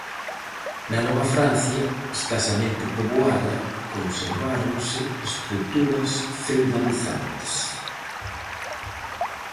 Na Nova Francia, escasamente poboada, conserváronse estruturas feudalizantes.